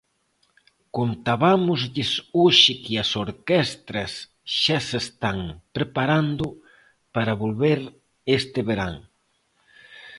Contabámoslles hoxe que as orquestras xa se están preparando para volver este verán.